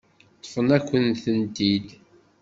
Ṭṭfen-akent-tent-id.